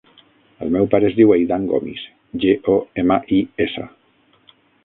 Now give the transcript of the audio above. El meu pare es diu Eidan Gomis: ge, o, ema, i, essa.